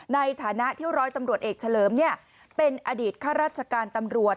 ในฐานะที่ร้อยตำรวจเอกเฉลิมเป็นอดีตข้าราชการตำรวจ